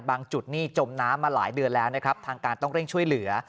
จุดนี่จมน้ำมาหลายเดือนแล้วนะครับทางการต้องเร่งช่วยเหลือ